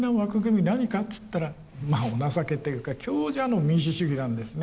何かって言ったらまあお情けというか強者の民主主義なんですね。